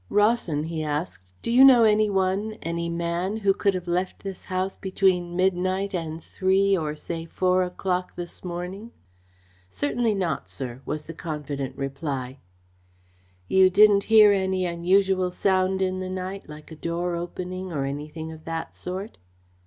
"Rawson," he asked, "do you know any one any man who could have left this house between midnight and three or say four o'clock this morning?" "Certainly not, sir," was the confident reply. "You didn't hear any unusual sound in the night like a door opening or anything of that sort?"